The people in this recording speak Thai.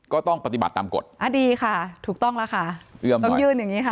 ก็ต้องปฏิบัติตามกฎอ่าดีค่ะถูกต้องแล้วค่ะเอื้อมต้องยื่นอย่างงี้ค่ะ